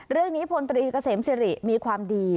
เรื่องนี้พลตรีเกษมสิริมีความดี